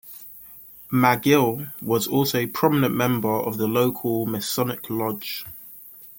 Magill was also a prominent member of the local Masonic lodge.